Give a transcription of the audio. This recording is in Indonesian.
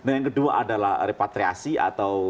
yang kedua adalah repatriasi atau